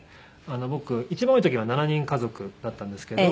僕一番多い時は７人家族だったんですけど。